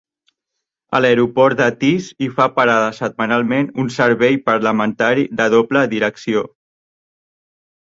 A l'aeroport de Tees hi fa parada setmanalment un servei parlamentari de doble direcció.